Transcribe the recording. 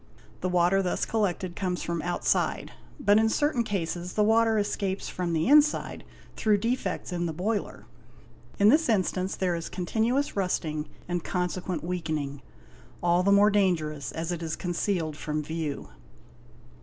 The water thus collected comes from outside, but in certain cases the water escapes from the inside through defects in the boiler. In this instance there is continuous rusting and consequent weakening, all the more dangerous as it is concealed from view.